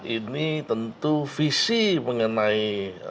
ini tentu visi mengenai